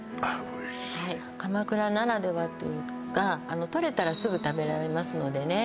おいしいはい鎌倉ならではというかとれたらすぐ食べられますのでね